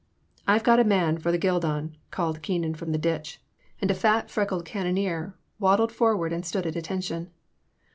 I 've got a man for the guidon," called Kee nan from the ditch, and a fat freckled cannoneer waddled forward and stood at attention.